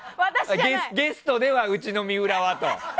ゲストではうちの水卜はと。